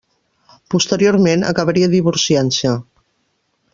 Posteriorment, acabaria divorciant-se.